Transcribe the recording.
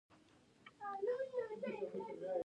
افغانستان د چرګان په اړه مشهور تاریخی روایتونه لري.